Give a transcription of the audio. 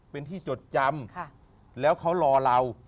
เป็นที่จดจำแล้วเขารอเรา